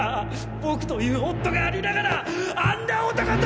僕という夫がありながらあんな男と！！